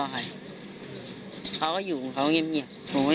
แล้วหลังจากนั้นเราขับหนีเอามามันก็ไล่ตามมาอยู่ตรงนั้น